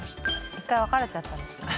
１回別れちゃったんですかね。